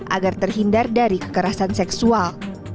agar terhindar dari kekerasan seksual